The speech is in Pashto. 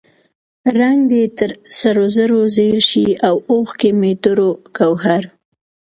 رنګ دې تر سرو زرو زیړ شي او اوښکې مې دُر و ګوهر.